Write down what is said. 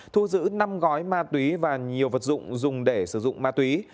thu giữ năm gói ma túy và nhiều vật dụng dùng để sử dụng ma túy